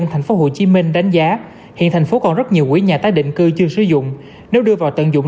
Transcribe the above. tp hcm đánh giá hiện thành phố còn rất nhiều quỹ nhà tái định cư chưa sử dụng nếu đưa vào tận dụng